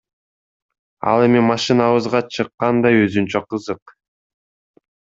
Ал эми машинабызга чыккан да өзүнчө кызык.